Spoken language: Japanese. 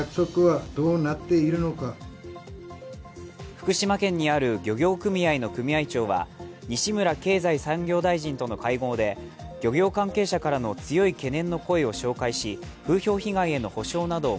福島県にある漁業組合の組合長は西村経済産業大臣との会合で、漁業関係者からの強い懸念の声を紹介し風評被害への補償などを